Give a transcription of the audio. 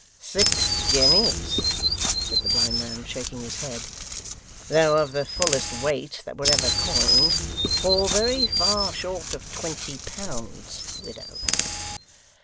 'Six guineas,' said the blind man, shaking his head, 'though of the fullest weight that were ever coined, fall very far short of twenty pounds, widow.